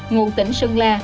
ngô tỉnh sơn la